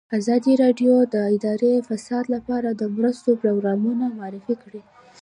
ازادي راډیو د اداري فساد لپاره د مرستو پروګرامونه معرفي کړي.